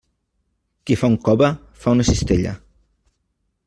Qui fa un cove, fa una cistella.